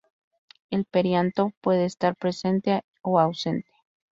El perianto puede estar presente o ausente.